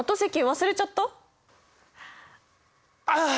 ああ！